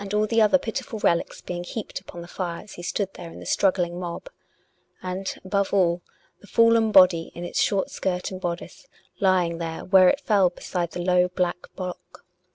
all the other pitiful relics being heaped upon the fire as he stood there in the struggling mob; and, above all, the fallen body, in its short skirt and bodice lying there where it fell beside the low, black block.